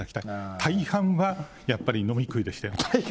大半はやっぱり飲み食いでしたよ。